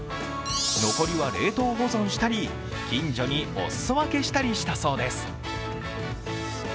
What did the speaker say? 残りは冷凍保存したり近所にお裾分けしたりしたそうです。